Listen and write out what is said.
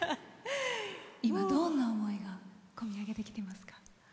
今、どんな思いが込み上げてきてますか？